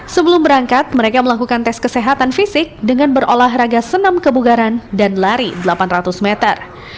sebelum berangkat mereka melakukan tes kesehatan fisik dengan berolahraga senam kebugaran dan lari delapan ratus meter